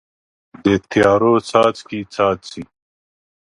د تیارو څاڅکي، څاڅي